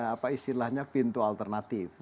apa istilahnya pintu alternatif